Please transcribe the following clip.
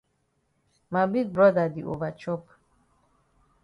Ma big broda di over chop.